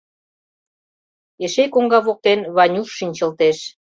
Эше коҥга воктен Ванюш шинчылтеш.